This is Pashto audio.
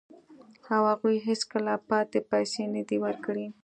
او هغوی هیڅکله پاتې پیسې نه دي ورکړي